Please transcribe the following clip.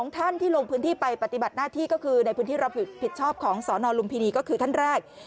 ท่านที่ลงพื้นที่ไปปฏิบัติหน้าที่ก็คือในพื้นที่รับผิดชอบของสนลุมพินีก็คือท่านแรก